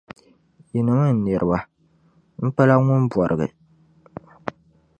Yinim’ n niriba! M-pala ŋun bɔrigi.